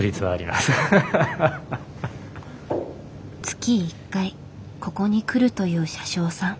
月１回ここに来るという車掌さん。